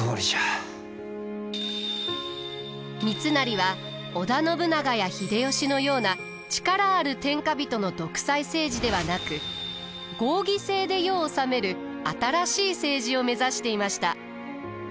三成は織田信長や秀吉のような力ある天下人の独裁政治ではなく合議制で世を治める新しい政治を目指していました。